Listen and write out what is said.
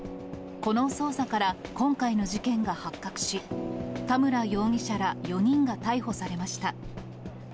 この捜査から今回の事件が発覚し、田村容疑者ら４人が逮捕されました。